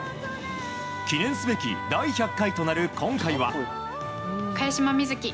記念すべき第１００回となる今回は。